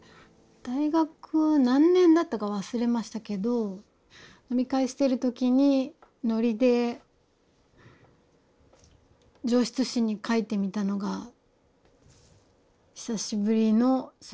大学何年だったか忘れましたけど飲み会してる時にノリで上質紙に描いてみたのが久しぶりの漫画制作だったのかな。